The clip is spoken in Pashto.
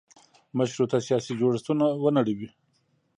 مشروطه سیاسي جوړښتونه ونړوي.